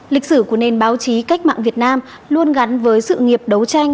lịch sử của nền báo chí cách mạng việt nam luôn gắn với sự nghiệp đấu tranh